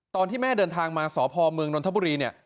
ตอนที่แม่เดินทางมาสพเมืองนนทบุรีเนี่ย